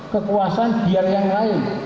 kekuasaan biar yang lain